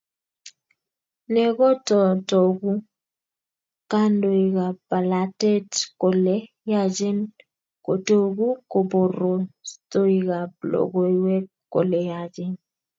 Nekototoku kandoikab bolatet kole yachen kotoku koborostoikab logoiwek kole yachen